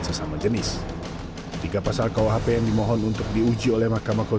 sebetulnya akhir tahun dua ribu tujuh belas